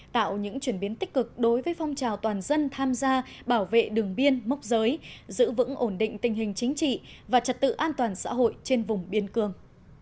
tạo những chuyển biến tích cực đối với phong trào toàn dân tham gia bảo vệ đường biên mốc giới giữ vững ổn định tình hình chính trị và trật tự an toàn xã hội trên vùng biên cương